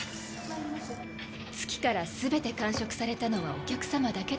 月から全て完食されたのはお客様だけです。